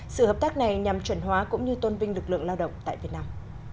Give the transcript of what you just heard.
sự hợp tác này nhằm chuẩn hóa cũng như tôn vinh lực lượng lao động tại việt nam